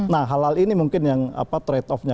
nah hal hal ini mungkin yang trade off nya